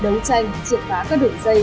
đấu tranh triển khai các đội dây